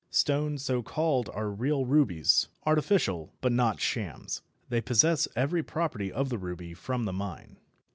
Stones so called are real rubies artificial, but not shams. They possess every property of the ruby from the mine.